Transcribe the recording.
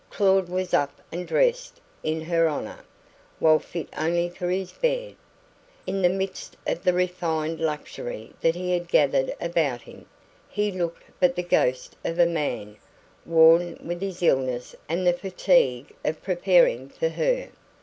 Claud was up and dressed in her honour, while fit only for his bed. In the midst of the refined luxury that he had gathered about him, he looked but the ghost of a man, worn with his illness and the fatigue of preparing for her.